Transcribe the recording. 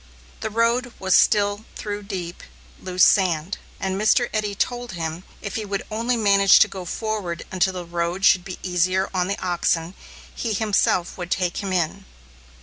The road was still through deep, loose sand, and Mr. Eddy told him if he would only manage to go forward until the road should be easier on the oxen, he himself would take him in.